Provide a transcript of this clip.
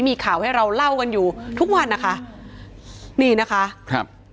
มีข่าวให้เราเล่ากันอยู่ทุกวันนะคะนี่นะคะครับ